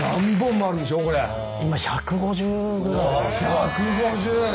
１５０。